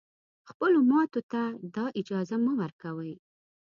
خپلو ماتو ته دا اجازه مه ورکوی